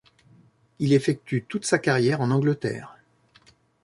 Il effectue toute sa carrière en Angleterre.